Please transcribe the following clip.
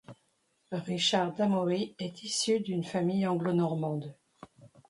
Richard d'Amory est issu d'une famille anglo-normande.